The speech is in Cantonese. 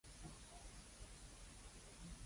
做牛好過做馬